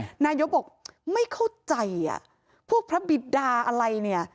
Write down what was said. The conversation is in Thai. นายกรัฐมนตรีบอกว่าไม่เข้าใจพวกพระบิดาอะไรเนี่ย